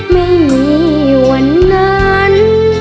ไม่มีวันนั้น